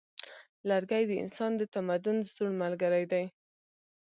لرګی د انسان د تمدن زوړ ملګری دی.